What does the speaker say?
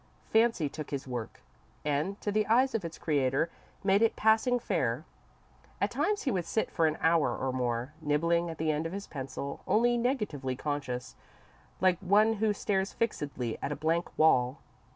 Fancy took his work, and, to the eyes of its creator, made it passing fair. At times he would sit for an hour or more, nibbling at the end of his pencil, only negatively conscious, like one who stares fixedly at a blank wall.